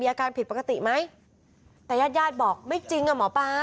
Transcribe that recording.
อาการผิดปกติไหมแต่ญาติญาติบอกไม่จริงอ่ะหมอปลา